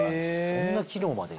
そんな機能まで。